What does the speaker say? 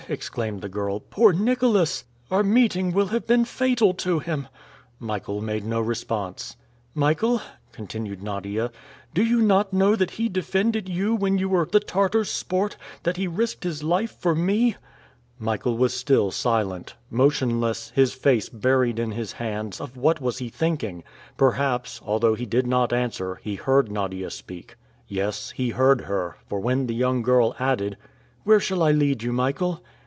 exclaimed the girl. "Poor Nicholas! Our meeting will have been fatal to him!" Michael made no response. "Michael," continued Nadia, "do you not know that he defended you when you were the Tartars' sport; that he risked his life for me?" Michael was still silent. Motionless, his face buried in his hands; of what was he thinking? Perhaps, although he did not answer, he heard Nadia speak. Yes! he heard her, for when the young girl added, "Where shall I lead you, Michael?"